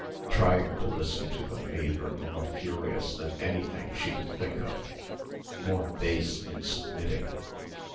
Trying to listen to them made her more furious than anything she could think of, more base in submitting